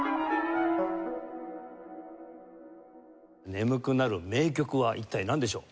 眠くなる名曲は一体なんでしょう？